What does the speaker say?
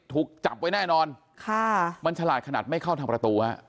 ถูกจับไว้แน่นอนค่ะมันฉลาดขนาดไม่เข้าทางประตูฮะ